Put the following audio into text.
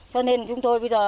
cho nên chúng tôi bây giờ